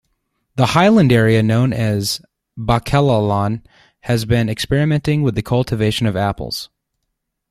The highland area known as Ba'Kelalan has been experimenting with the cultivation of apples.